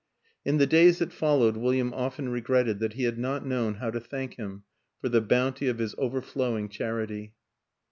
In the days that followed William often regretted that he had not known how to thank him for the bounty of his overflowing charity.